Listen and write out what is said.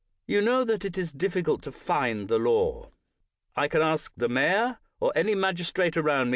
You know that it is diflfieult to find the law. I can ask the mayor, or any mag istrate around m.